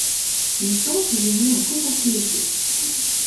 Le centre est géré en copropriété.